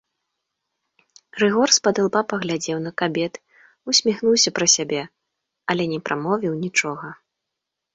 Рыгор з-пад ілба паглядзеў на кабет, усміхнуўся пра сябе, але не прамовіў нічога.